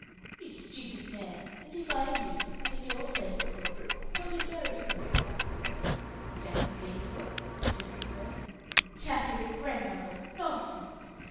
"You stupid man! As if I knew! It is your place to talk. Tell me a fairy story." "'Jack and the Beanstalk'?" suggested Frere. "Jack and the grandmother! Nonsense.